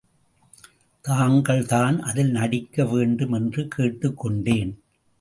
தாங்கள்தான் அதில் நடிக்க வேண்டும் என்று கேட்டுக் கொண்டேன்.